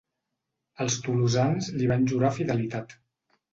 Els tolosans li van jurar fidelitat.